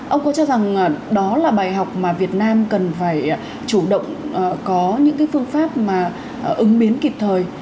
ông có cho rằng đó là bài học mà việt nam cần phải chủ động có những phương pháp mà ứng biến kịp thời